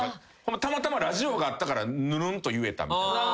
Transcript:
たまたまラジオがあったからぬるんと言えたみたいな。